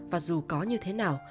và dù có như thế nào